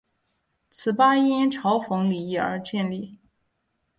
此吧因嘲讽李毅而建立。